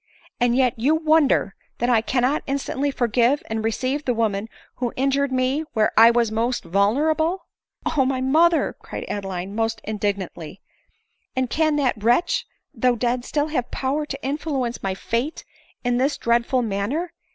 and yet you wonder that I cannot instantly forgive and receive the woman who injured me where I was most vulnerable," " O my mother !" cried Adeline, almost indignantly, " and can that wretch, though dead, still have power to influence my fate in this dreadful manner?